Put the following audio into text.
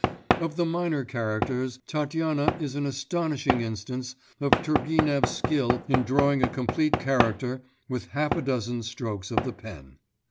Of the minor characters, Tatyana is an astonishing instance of Turgenev's skill in drawing a complete character with half a dozen strokes of the pen.